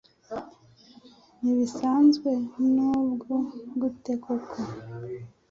Ntibisanzwe nubwo gute koko